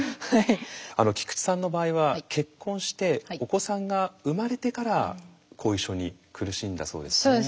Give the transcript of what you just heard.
菊池さんの場合は結婚してお子さんが生まれてから後遺症に苦しんだそうですね。